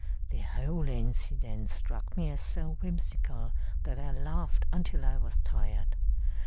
The whole incident struck me as so whimsical that I laughed until I was tired.